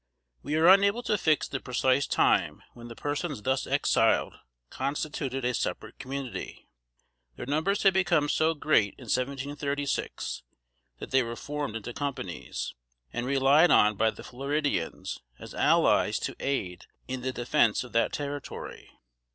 We are unable to fix the precise time when the persons thus exiled constituted a separate community. Their numbers had become so great in 1736, that they were formed into companies, and relied on by the Floridians as allies to aid in the defense of that territory.